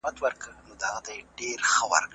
ایسټروجن د عصبي حجرو ساتنه کوي.